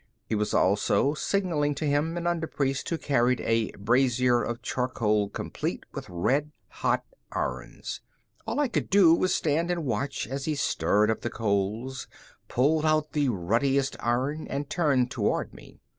He was also signaling to him an underpriest who carried a brazier of charcoal complete with red hot irons. All I could do was stand and watch as he stirred up the coals, pulled out the ruddiest iron and turned toward me.